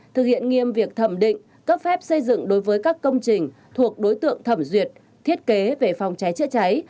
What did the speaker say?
thực hiện nghiêm việc thẩm định cấp phép xây dựng đối với các công trình thuộc đối tượng thẩm duyệt thiết kế về phòng cháy chữa cháy